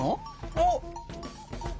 おっ。